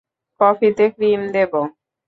কফিতে ক্রিম দেবো?